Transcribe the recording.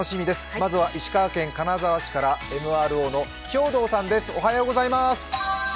まずは石川県金沢市からＭＲＯの兵藤さんです。